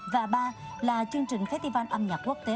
và ba là chương trình festival âm nhạc quốc tế